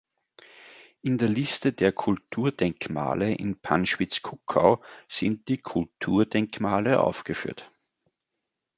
In der Liste der Kulturdenkmale in Panschwitz-Kuckau sind die Kulturdenkmale aufgeführt.